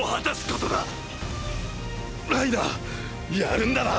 ライナーやるんだな⁉